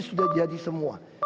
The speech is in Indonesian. sudah jadi semua